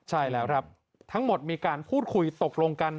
ใช่แล้วครับทั้งหมดมีการพูดคุยตกลงกัน